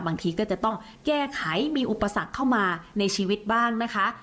บางทีก็จะต้องแก้ไขมีอุปสรรคเข้ามาในชีวิตบ้างนะคะ